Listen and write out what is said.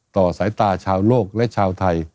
ต่อสายตาชาวโลกและชาวไทย